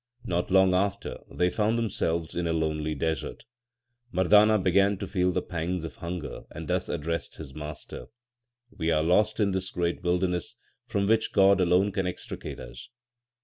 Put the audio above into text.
Not long after they found themselves in a lonely desert. Mardana began to feel the pangs of hunger, and thus addressed his master : We are lost in this great wilderness, from which God alone can extricate us.